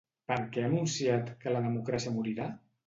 Per què ha anunciat que la democràcia morirà?